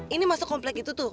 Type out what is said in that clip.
ini masuk komplek itu tuh